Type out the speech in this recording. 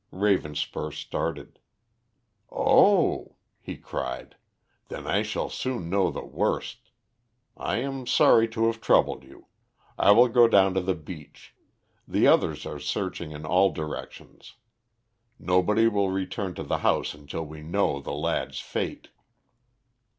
Ravenspur started. "Oh," he cried. "Then I shall soon know the worst. I am sorry to have troubled you; I will go down to the beach. The others are searching in all directions. Nobody will return to the house until we know the lad's fate."